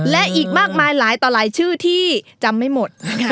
และอีกมากมายหลายต่อหลายชื่อที่จำไม่หมด